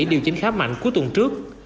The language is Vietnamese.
điều chỉnh khá mạnh cuối tuần trước